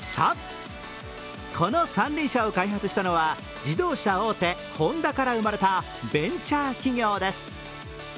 この三輪車を開発したのは自動車大手・ホンダから生まれたベンチャー企業です。